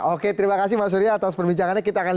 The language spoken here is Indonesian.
oke terima kasih mas surya atas perbincangannya kita akan